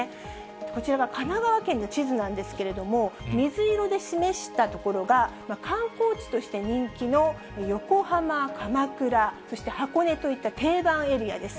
こちらが神奈川県の地図なんですけれども、水色で示した所が、観光地として人気の横浜、鎌倉、そして箱根といった定番エリアです。